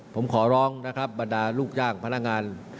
ผมขอร้องบรรดาลูกย่างพนักงาน